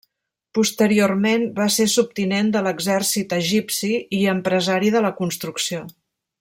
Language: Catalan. Posteriorment va ser subtinent de l'exèrcit egipci i empresari de la construcció.